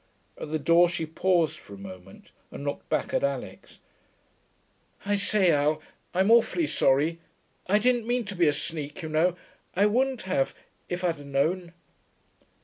At the door she paused for a moment and looked back at Alix. 'I say, Al I'm awfully sorry. I didn't mean to be a sneak, you know; I wouldn't have, if I'd known.'